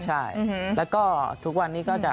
ใช่แล้วก็ทุกวันนี้ก็จะ